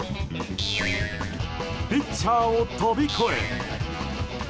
ピッチャーを飛び越え。